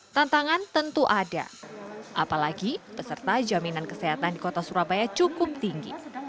tantangan tentu ada apalagi peserta jaminan kesehatan di kota surabaya cukup tinggi